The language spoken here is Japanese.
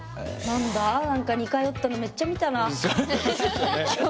何か似通ったのめっちゃ見たな今日。